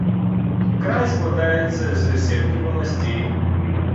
Край складаецца з сямі валасцей.